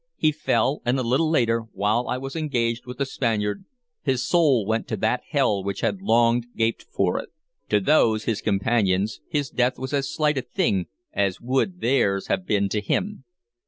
He fell, and a little later, while I was engaged with the Spaniard, his soul went to that hell which had long gaped for it. To those his companions his death was as slight a thing as would theirs have been to him.